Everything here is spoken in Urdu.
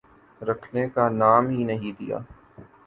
رکنے کا نام ہی نہیں لیا۔